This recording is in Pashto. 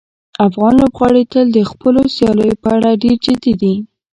افغان لوبغاړي تل د خپلو سیالیو په اړه ډېر جدي دي.